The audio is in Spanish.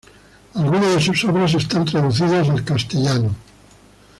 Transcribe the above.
Algunas de sus obras están traducidas al castellano.